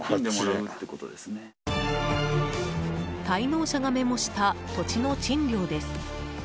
滞納者がメモした土地の賃料です。